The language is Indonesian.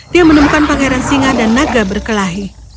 dia menemukan pangeran singa dan naga berkelahi